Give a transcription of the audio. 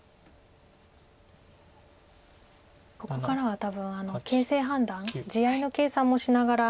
ここからは多分形勢判断地合いの計算もしながら。